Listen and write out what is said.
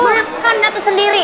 makan datu sendiri